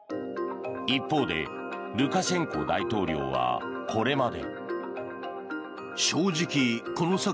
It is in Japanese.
一方で、ルカシェンコ大統領はこれまで。